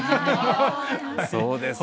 そうですか。